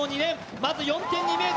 まず４．２ｍ。